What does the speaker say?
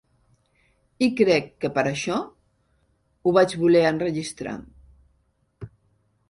I crec que per això ho vaig voler enregistrar.